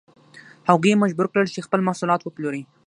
هغوی یې مجبور کړل چې خپل محصولات وپلوري.